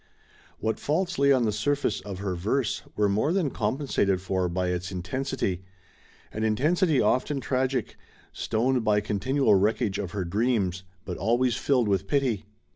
What faults lay on the surface of her verse were more than compensated for by its intensity, an intensity often tragic, "stoned by con tinual wreckage of her dreams," but always filled with pity.